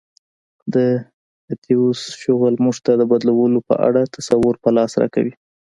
د اتیوس شغل موږ ته د بدلونونو په اړه تصویر په لاس راکوي